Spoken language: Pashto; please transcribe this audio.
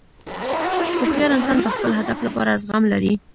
هوښیار انسان د خپل هدف لپاره زغم لري.